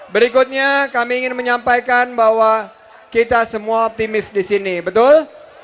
berikutnya kami ingin menyampaikan bahwa kita semua optimis di sini betul